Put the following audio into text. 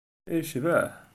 Ay yecbeḥ!